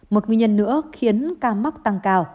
một nguyên nhân nữa khiến ca mắc tăng cao